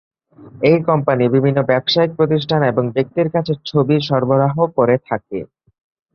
এই কোম্পানি বিভিন্ন ব্যবসায়িক প্রতিষ্ঠান এবং ব্যক্তির কাছে ছবি সরবরাহ করে থাকে।